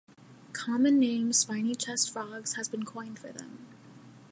Common name spiny-chest frogs has been coined for them.